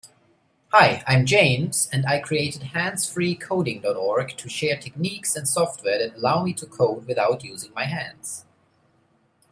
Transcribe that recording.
Hi, I'm James, and I created handsfreecoding.org to share techniques and software that allow me to code without using my hands.